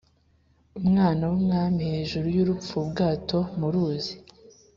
Umwana w'umwami hejuru y'urupfu-Ubwato mu ruzi.